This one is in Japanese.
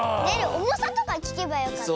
おもさとかきけばよかった。